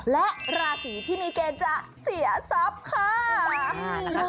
และราศีที่มีเกณฑ์จะเสียทรัพย์ค่ะ